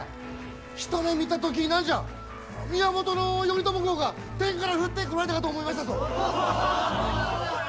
一目見た時、何じゃ源頼朝公が天から降ってこられたかと思いましたぞ！